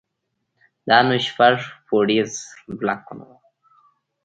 دا نو شپږ پوړيز بلاکونه وو.